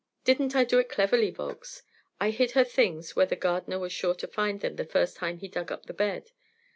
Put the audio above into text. Didn't I do it cleverly, Volkes? I hid her things where the gardener was sure to find them the first time he dug up the bed.